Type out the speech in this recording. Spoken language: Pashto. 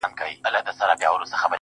دا کتاب ختم سو نور، یو بل کتاب راکه